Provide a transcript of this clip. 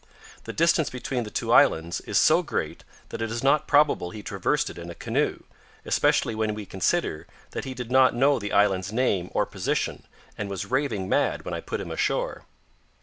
"The distance between the two islands is so great that it is not probable he traversed it in a canoe, especially when we consider that he did not know the island's name or position, and was raving mad when I put him ashore."